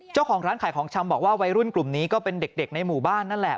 เจ้าของร้านขายของชำบอกว่าวัยรุ่นกลุ่มนี้ก็เป็นเด็กในหมู่บ้านนั่นแหละ